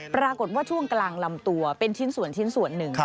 ปรากฏว่าช่วงกลางลำตัวเป็นชิ้นส่วนหนึ่ง